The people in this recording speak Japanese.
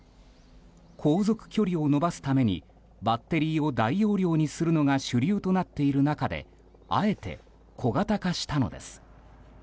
航続距離を伸ばすためにバッテリーを大容量にするのが主流となっている中であえて小型化したのです。